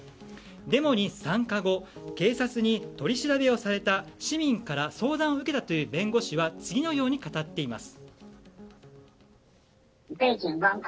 デモに参加後警察に取り調べをされた市民から相談を受けた弁護士は次のように語っています。